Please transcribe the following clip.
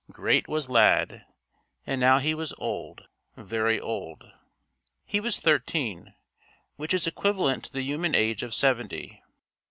Great was Lad. And now he was old very old. He was thirteen which is equivalent to the human age of seventy.